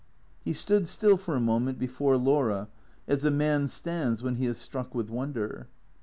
He stood still for a mo ment before Laura, as a man stands when he is struck with wonder.